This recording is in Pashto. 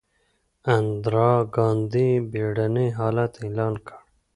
اندرا ګاندي بیړنی حالت اعلان کړ.